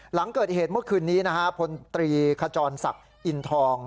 หลังเกิดเหตุเมื่อคืนนี้นะฮะพลตรีขจรศักดิ์อินทอง